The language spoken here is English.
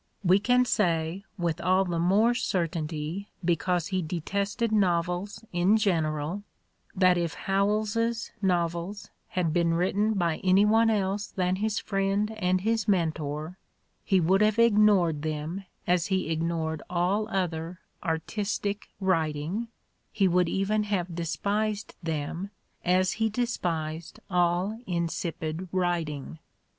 We can say, with all the more certainty because he "detested" novels Those Extraordinary Twins 183 in general, that if Howells's novels had been written by any one else than his friend and his mentor he would have ignored them as he ignored all other "artistic" writing, he would even have despised them as he de spised aU insipid writing.